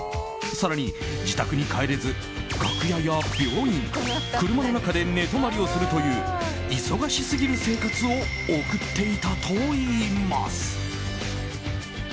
更に、自宅に帰れず楽屋や病院、車の中で寝泊まりをするという忙しすぎる生活を送っていたといいます。